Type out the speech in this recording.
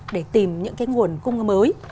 để tìm những cái nguồn cung mới